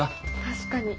確かに。